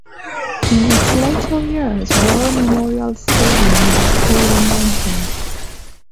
In its later years, War Memorial Stadium was poorly maintained.